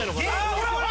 ほらほら！